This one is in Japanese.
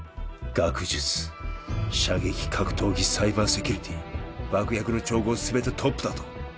学術射撃格闘技サイバーセキュリティ爆薬の調合全てトップだと？